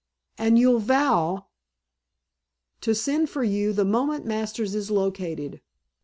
"And you'll vow " "To send for you the moment Masters is located?